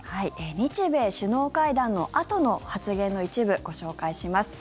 日米首脳会談のあとの発言の一部、ご紹介します。